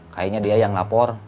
kayaknya dia yang lapor